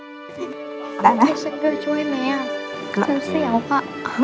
ทุกคนช่วยไหมอะ